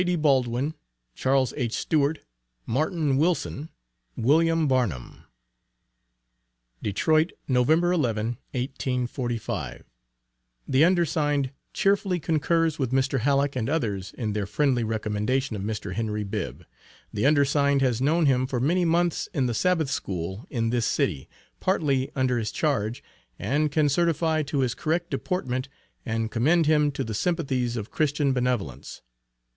D. BALDWIN, CHARLES H. STEWART, MARTIN WILSON, WILLIAM BARNUM. DETROIT, Nov. 11, 1845. The undersigned, cheerfully concurs with Mr. Hallock and others in their friendly recommendation of Mr. Henry Bibb. The undersigned has known him for many months in the Sabbath School in this City, partly under his charge, and can certify to his correct deportment, and commend him to the sympathies of Christian benevolence.